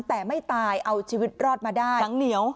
แต่ไม่ตายเอาชีวิตรอดมาได้